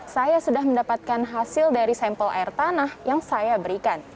saya sudah mendapatkan hasil dari sampel air tanah yang saya berikan